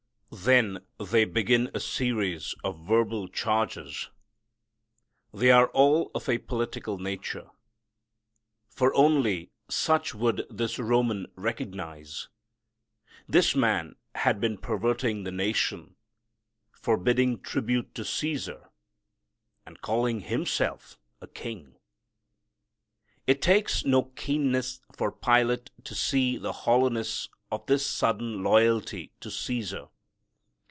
Then they begin a series of verbal charges. They are all of a political nature, for only such would this Roman recognize. This man had been perverting the nation, forbidding tribute to Caesar and calling Himself a King. It takes no keenness for Pilate to see the hollowness of this sudden loyalty to Caesar.